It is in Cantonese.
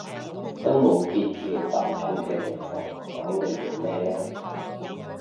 都冇必要爆粗嘅地方講嚟做咩呢？